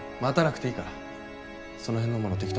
待たなくていいからその辺のもの